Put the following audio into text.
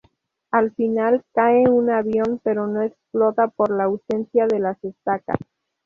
Al final cae un avión, pero no explota por la ausencia de las estacas.